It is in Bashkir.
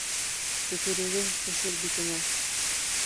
Төкөрөгөң төшөр битеңә.